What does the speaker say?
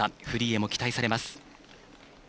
フリーでも期待されます。